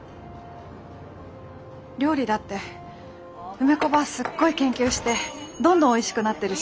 料理だって梅子ばぁすっごい研究してどんどんおいしくなってるし。